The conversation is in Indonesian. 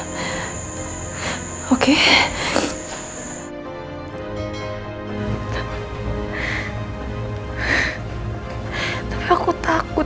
mama yang melakukan ini semua